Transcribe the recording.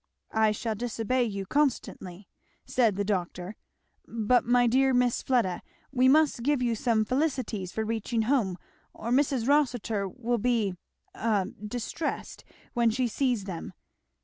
"I shall disobey you constantly," said the doctor; "but, my dear Miss Fleda, we must give you some felicities for reaching home, or Mrs. Rossitur will be a distressed when she sees them.